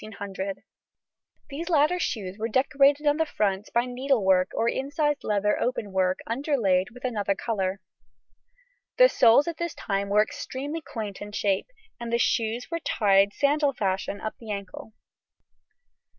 These later shoes were decorated on the front by needlework or incised leather openwork underlaid with another colour. The soles at this time were extremely quaint in shape, and the shoes were tied sandal fashion up the ankle. [Illustration: Plate XXIV.